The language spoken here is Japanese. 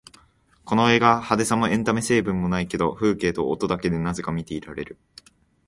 この映画、派手さもエンタメ成分もないけど風景と音だけでなぜか見ていられる